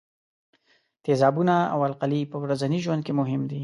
تیزابونه او القلي په ورځني ژوند کې مهم دي.